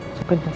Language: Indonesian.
aku akan tunggu